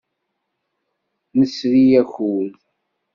Nesri akud.